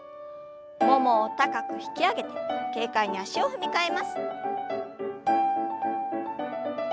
ももを高く引き上げて軽快に脚を踏み替えます。